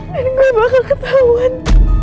dan gue bakal ketahuan